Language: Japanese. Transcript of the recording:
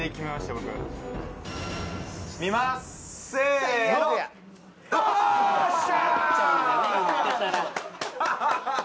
僕見ますせーの！わ！・よっしゃ